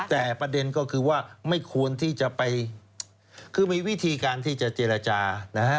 แต่ประเด็นก็คือว่าไม่ควรที่จะไปคือมีวิธีการที่จะเจรจานะฮะ